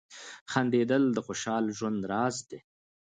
• خندېدل د خوشال ژوند راز دی.